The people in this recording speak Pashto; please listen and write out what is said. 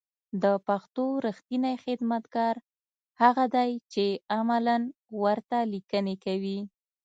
د پښتو رېښتينی خدمتگار هغه دی چې عملاً ورته ليکنې کوي